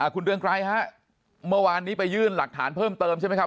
คุณเรืองไกรฮะเมื่อวานนี้ไปยื่นหลักฐานเพิ่มเติมใช่ไหมครับ